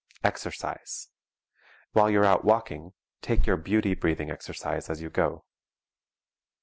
Exercise. While you're out walking, take your beauty breathing exercise as you go.